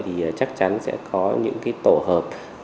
thì chắc chắn sẽ có những cái tổ hợp